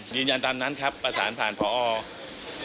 ยินยันตามนั้นครับประสานผ่านพอเอกาญจนา